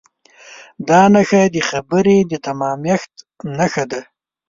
دا نښه د خبرې د تمامښت نښه ده.